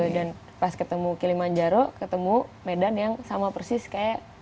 dan pas ketemu kili manjaro ketemu medan yang sama persis kayak